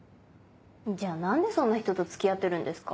じゃあ何でそんな人と付き合ってるんですか？